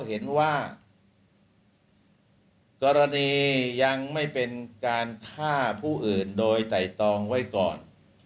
เห็นว่ากรณียังไม่เป็นการฆ่าผู้อื่นโดยไตรตองไว้ก่อน